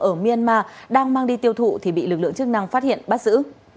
ở myanmar đang mang đi tiêu thụ thì bị lực lượng chức năng phát hiện bắt giữ